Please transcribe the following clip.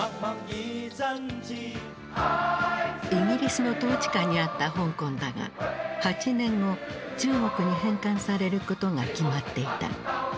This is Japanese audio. イギリスの統治下にあった香港だが８年後中国に返還されることが決まっていた。